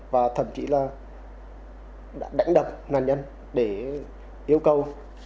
và thậm chí là đã đánh đập nạn nhân để yêu cầu